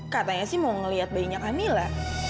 katanya sih mau ngeliat bayinya amila